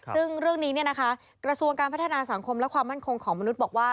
ซึ่งเรื่องนี้กระทรวงการพัฒนาสังคมและความมั่นคงของมนุษย์บอกว่า